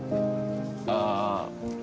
mas bunganya mas